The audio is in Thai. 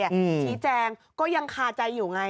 ชี้แจงก็ยังคาใจอยู่ไง